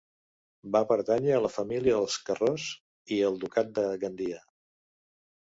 Va pertànyer a la família dels Carròs i al ducat de Gandia.